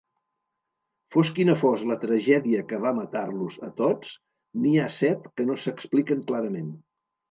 Fos quina fos la tragèdia que va matar-los a tots, n'hi ha set que no s'expliquen clarament.